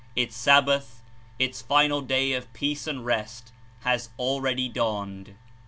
Its Sabbath, its final day of peace and rest, has already dawned.